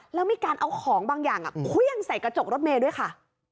แล้วมีการเอาของบางอย่างเครื่องใส่กระจกรถเมย์ด้วยค่ะ